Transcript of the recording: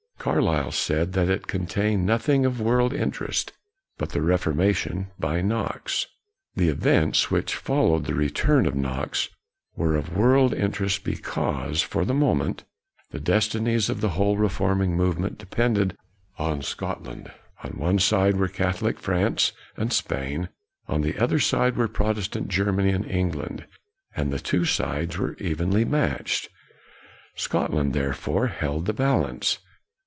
Car lyle said that it contained nothing of world interest but the reformation by Knox. The events which followed the return of Knox were of world interest because, for the moment, the destinies of the whole reforming movement depended on Scot land. On one side were Catholic France and Spain; on the other side were Protes tant Germany and England. And the two sides were evenly matched. Scot land, therefore, held the balance.